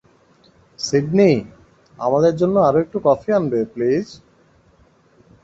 Sydney, আমাদের জন্য আরও একটু কফি আনবে, প্লিজ?